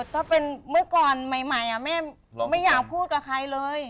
ถ้าเป็นเมื่อก่อนใหม่แม่ไม่อยากพูดกับใครเลย